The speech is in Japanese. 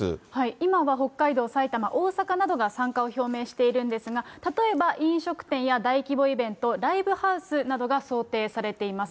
今は北海道、埼玉、大阪などが参加を表明しているんですが、例えば飲食店や大規模イベント、ライブハウスなどが想定されています。